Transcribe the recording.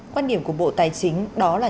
quan điểm của bộ tài chính đó là